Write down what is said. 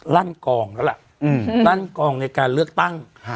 ลั่นกองแล้วล่ะลั่นกองในการเลือกตั้ง